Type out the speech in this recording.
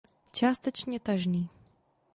Částečně tažný.